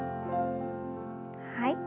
はい。